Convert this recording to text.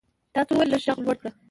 تا څه وویل ؟ لږ ږغ لوړ کړه !